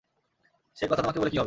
সে কথা তোমাকে বলে কী হবে।